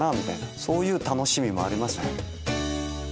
そういう楽しみもありますね。